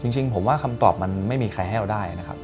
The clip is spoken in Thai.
จริงผมว่าคำตอบมันไม่มีใครให้เราได้นะครับ